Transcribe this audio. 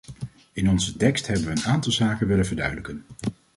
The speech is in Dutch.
In onze tekst hebben we een aantal zaken willen verduidelijken.